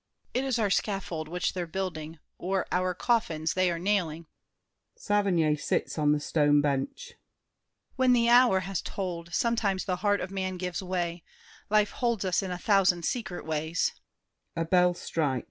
It is our scaffold which they're building, or Our coffins they are nailing. [Saverny sits on the stone bench. When the hour Has tolled, sometimes the heart of man gives way. Life holds us in a thousand secret ways.